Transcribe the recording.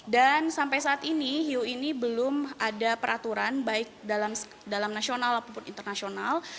dan sampai saat ini hiu ini belum ada peraturan baik dalam nasional ataupun internasional